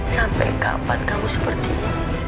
sampai kapan kamu seperti ini